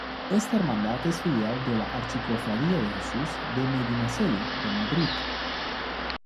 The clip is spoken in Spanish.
Esta hermandad es filial de la Archicofradía de Jesús de Medinaceli de Madrid.